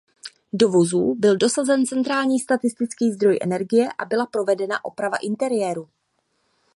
Do vozů byl dosazen centrální statický zdroj energie a byla provedena oprava interiéru.